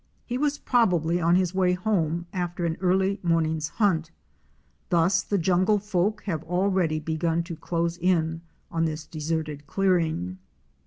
He was probably on his way home after an early morning's hunt. Thus the jungle folk have already begun to close in on this deserted clearing.